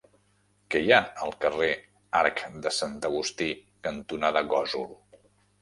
Què hi ha al carrer Arc de Sant Agustí cantonada Gósol?